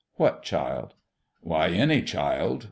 "What child?" " Why, any child